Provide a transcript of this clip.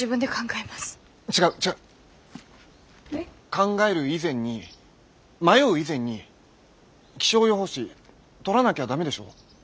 考える以前に迷う以前に気象予報士取らなきゃ駄目でしょ。